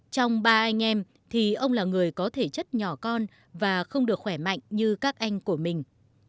trong ba anh em thì ông là người có thể chất nhỏ con và không được khỏe mạnh như các anh của mình